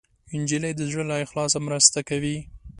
نجلۍ د زړه له اخلاصه مرسته کوي.